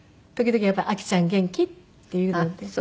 時々やっぱり「あきちゃん元気？」って言うので。